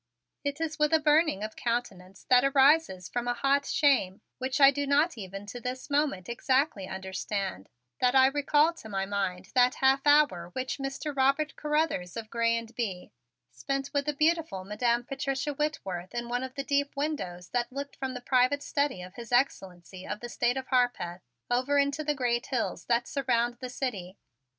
It is with a burning of countenance that arises from a hot shame, which I do not even to this moment exactly understand, that I recall to my mind that half hour which Mr. Robert Carruthers of Grez and Bye spent with the beautiful Madam Patricia Whitworth in one of the deep windows that looked from the private study of His Excellency of the State of Harpeth, over into the great hills that surround the city.